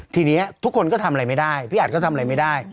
ทีนี้ทุกคนก็ทำอะไรไม่ได้พี่อัดก็ทำอะไรไม่ได้